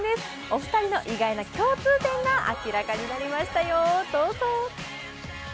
お二人の意外な共通点が明らかになりましたよ、どうぞ。